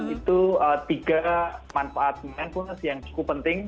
itu tiga manfaat mindfulness yang cukup penting